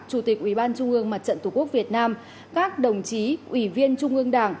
chủ tịch ủy ban trung ương mặt trận tổ quốc việt nam các đồng chí ủy viên trung ương đảng